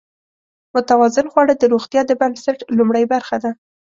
متوازن خواړه د روغتیا د بنسټ لومړۍ برخه ده.